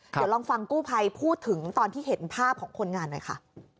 เดี๋ยวลองฟังกู้ภัยพูดถึงตอนที่เห็นภาพของคนงานหน่อยค่ะ